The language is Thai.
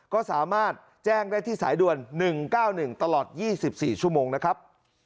ก็สามารถแจ้งได้ที่สายด่วน๑๙๑ตลอด๒๔ชั่วโมงนะครับ